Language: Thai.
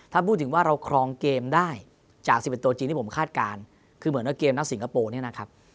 ถ้าพูดถึงว่าเราครองเกมได้จาก๑๑ตัวจริงที่ผมคาดการณ์คือเหมือนว่าเกมนักสิงคโปร์เนี่ยนะครับ